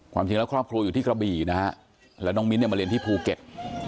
จริงแล้วครอบครัวอยู่ที่กระบี่นะฮะแล้วน้องมิ้นเนี่ยมาเรียนที่ภูเก็ต